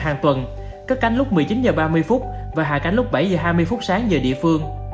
các chuyến bay từ tp hcm đến sydney có cánh lúc một mươi chín h ba mươi và hạ cánh lúc bảy h hai mươi sáng giờ địa phương